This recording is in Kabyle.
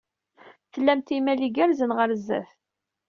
Tlamt imal igerrzen ɣer sdat.